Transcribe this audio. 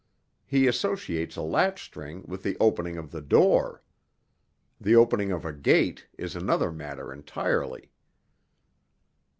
He associates a latchstring with the opening of the door. The opening of a gate is another matter entirely.